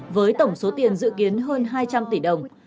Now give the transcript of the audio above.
với tổng số tiền dự kiến hơn hai trăm linh tỷ đồng